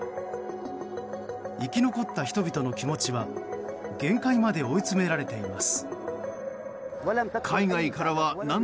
生き残った人々の気持ちは限界まで追い詰められています。